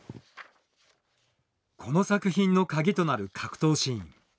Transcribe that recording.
この作品のカギとなる格闘シーン。